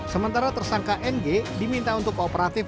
sementara tersangka ng diminta untuk kooperatif